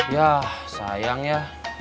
yah sayang ya